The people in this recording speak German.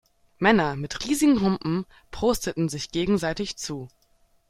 Männer mit riesigen Humpen prosteten sich gegenseitig zu.